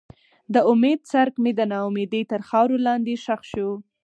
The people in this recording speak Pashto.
د امید څرک مې د ناامیدۍ تر خاورو لاندې ښخ شو.